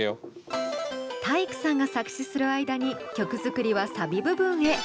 体育さんが作詞する間に曲作りはサビ部分へ。